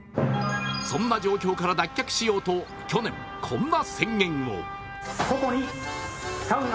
そんな状況から脱却しようと、去年こんな宣言を。